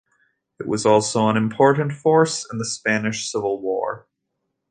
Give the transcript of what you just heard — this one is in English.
It was also an important force in the Spanish Civil War.